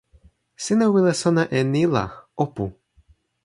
sina wile sona e ni la o pu.